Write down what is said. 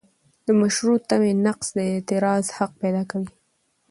د مشروع تمې نقض د اعتراض حق پیدا کوي.